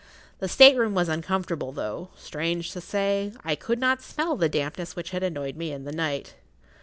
The state room was uncomfortable, though, strange to say, I could not smell the dampness which had annoyed me in the night.